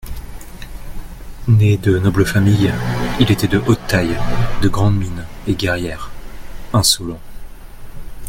Né de noble famille, il était de haute taille, de grande mine et guerrière, insolent.